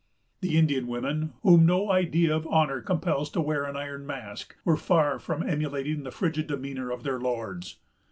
The Indian women, whom no idea of honor compels to wear an iron mask, were far from emulating the frigid demeanor of their lords.